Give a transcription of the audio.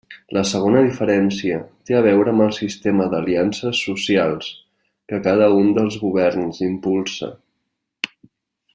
La segona diferència té a veure amb el sistema d'aliances socials que cada un dels governs impulsa.